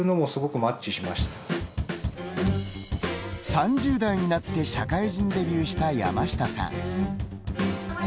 ３０代になって社会人デビューした山下さん。